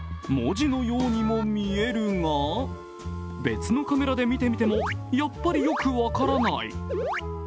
文字のようにも見えるが別のカメラで見てみてもやっぱりよく分からない。